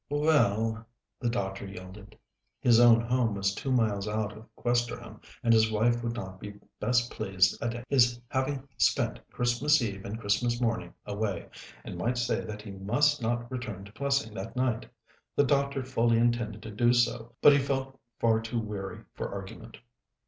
"Well," the doctor yielded. His own home was two miles out of Questerham, and his wife would not be best pleased at his having spent Christmas Eve and Christmas morning away, and might say that he must not return to Plessing that night. The doctor fully intended to do so, but he felt far too weary for argument.